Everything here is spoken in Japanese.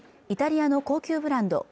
イタリアの高級ブランド